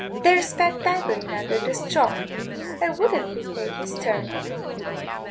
"There's Pat Diver in under the straw, why wouldn't he tak' his turn?"